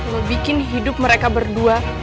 lo bikin hidup mereka berdua